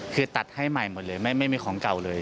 คือตัดให้ใหม่หมดเลยไม่มีของเก่าเลย